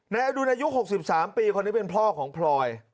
อดุลอายุ๖๓ปีคนนี้เป็นพ่อของพลอย